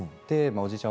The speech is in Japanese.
おじいちゃん